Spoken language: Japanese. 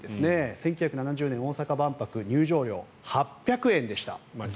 １９７０年、大阪万博入場料、８００円でした。